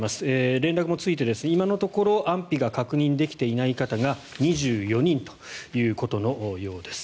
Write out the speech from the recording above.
連絡もついて今のところ安否が確認できていない方が２４人ということのようです。